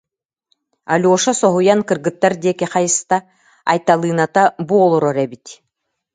Алеша соһуйан кыргыттар диэки хайыста, Айталыыната бу олорор эбит